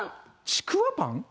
ちくわパン？